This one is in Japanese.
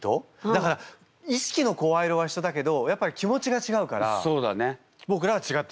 だから意識の声色は一緒だけどやっぱり気持ちが違うから僕らは違って聞こえてくる。